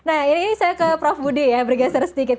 nah ini saya ke prof budi ya bergeser sedikit